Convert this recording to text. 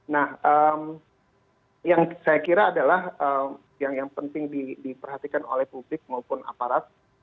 nah yang saya kira adalah yang penting diperhatikan oleh publik maupun aparat